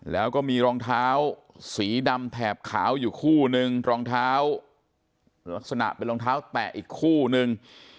แล้วก็มีรองเท้าสีดำแถบขาวอยู่คู่นึงรองเท้าลักษณะเป็นรองเท้าแตะอีกคู่นึง